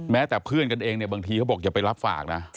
แต่เพื่อนกันเองเนี่ยบางทีเขาบอกอย่าไปรับฝากนะ